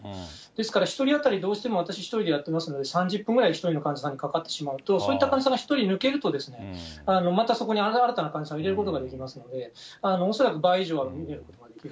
ですから、１人当たりどうしても私一人でやってますので、３０分ぐらい、１人の患者さんにかかってしまうと、そういった患者さんが１人抜けると、またそこに新たな患者さんを入れることができますので、恐らく倍以上は診れるのではないかと。